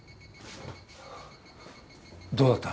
・どうだった？